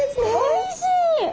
おいしい！